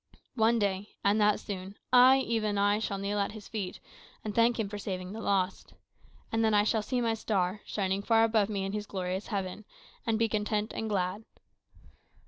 One day and that soon I, even I, shall kneel at his feet, and thank him for saving the lost. And then I shall see my star, shining far above me in his glorious heaven, and be content and glad."